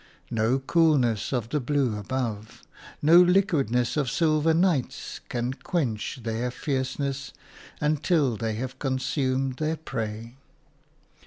No coolness of the blue above, no liquidness of silver nights can quench their fierceness until they have consumed their prey.